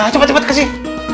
cepet cepet kasih